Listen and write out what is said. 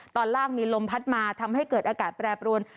ตอนล่างมีลมพัดมาทำให้เกิดอากาศแปรปรวน